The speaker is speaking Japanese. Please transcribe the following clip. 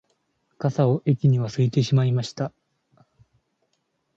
傘を駅に忘れてしまいました